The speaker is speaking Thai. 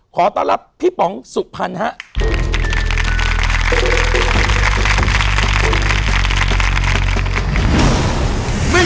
ขอต้อนรับพี่ป๋องสุพรรณครับ